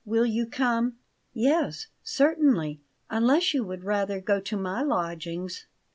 Will you come?" "Yes, certainly, unless you would rather go to my lodgings."